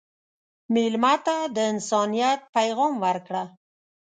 مېلمه ته د انسانیت پیغام ورکړه.